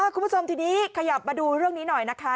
คุณผู้ชมทีนี้ขยับมาดูเรื่องนี้หน่อยนะคะ